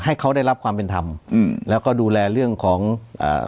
ให้เขาได้รับความเป็นธรรมอืมแล้วก็ดูแลเรื่องของอ่า